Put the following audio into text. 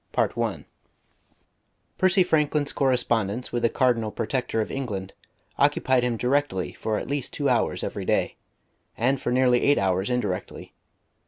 CHAPTER II I Percy Franklin's correspondence with the Cardinal Protector of England occupied him directly for at least two hours every day, and for nearly eight hours indirectly.